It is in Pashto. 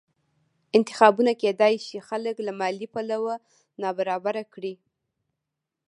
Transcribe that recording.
انتخابونه کېدای شي خلک له مالي پلوه نابرابره کړي